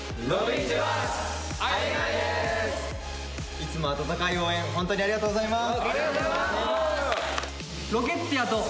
いつも温かい応援、本当にありがとうございます。